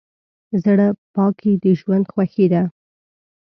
زړه پاکي د ژوند خوښي ده.